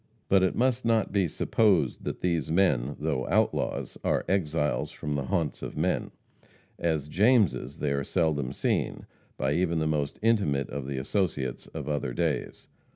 But it must not be supposed that these men, though outlaws, are exiles from the haunts of men. As Jameses they are seldom seen, by even the most intimate of the associates of other days.